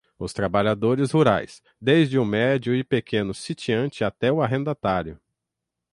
Os trabalhadores rurais, desde o médio e pequeno sitiante até o arrendatário